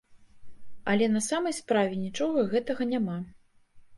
Але на самай справе нічога гэтага няма.